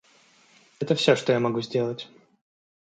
Это всё, что я могу сделать.